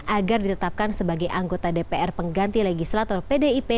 agar ditetapkan sebagai anggota dpr pengganti legislator pdip